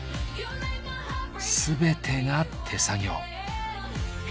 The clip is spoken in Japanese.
全てが手作業。